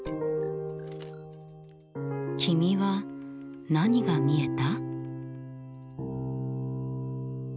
君は何が見えた？